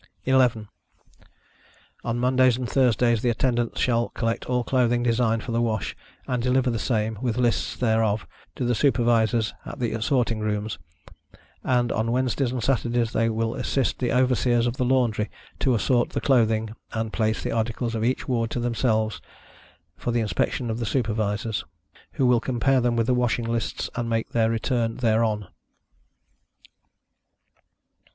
11. On Mondays and Thursdays the Attendants shall collect all clothing designed for the wash, and deliver the same, with lists thereof, to the Supervisors, at the assorting rooms, and on Wednesdays and Saturdays they will assist the Overseers of the laundry to assort the clothing, and place the articles of each ward to themselves for the inspection of the Supervisors, who will compare them with the washing lists and make their return thereon.